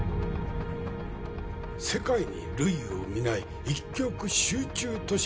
世界に類を見ない一極集中都市